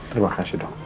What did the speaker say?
terima kasih dong